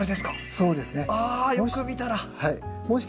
そうですね。